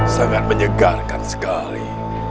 sangat menyegarkan sekali